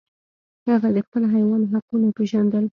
هغه د خپل حیوان حقونه پیژندل.